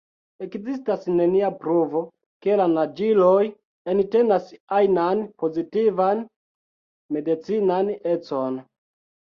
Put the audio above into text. Ekzistas nenia pruvo, ke la naĝiloj entenas ajnan pozitivan medicinan econ.